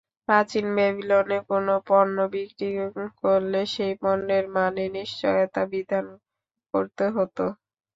প্রাচীন ব্যাবিলনে কোনো পণ্য বিক্রি করলে সেই পণ্যের মানে নিশ্চয়তা বিধান করতে হতো।